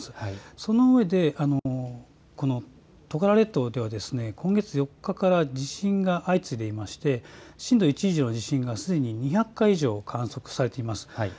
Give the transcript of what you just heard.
そのうえでトカラ列島では今月４日から地震が相次いでいまして震度１以上の地震がすでに２００回以上観測されています。